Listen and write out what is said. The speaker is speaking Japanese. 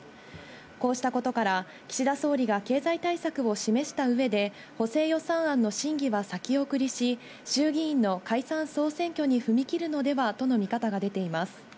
こうしたことから、岸田総理が経済対策を示したうえで、補正予算案の審議は先送りし、衆議院の解散・総選挙に踏み切るのではとの見方が出ています。